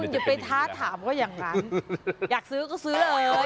อย่าไปท้าถามก็อย่างนั้นอยากซื้อก็ซื้อเลย